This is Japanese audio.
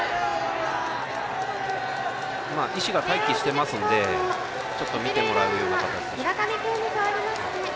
医師が待機しているのでちょっと診てもらうような形でしょうか。